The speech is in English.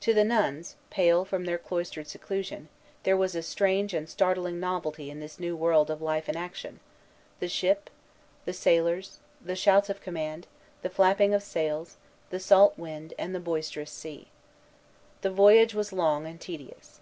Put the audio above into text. To the nuns, pale from their cloistered seclusion, there was a strange and startling novelty in this new world of life and action, the ship, the sailors, the shouts of command, the flapping of sails, the salt wind, and the boisterous sea. The voyage was long and tedious.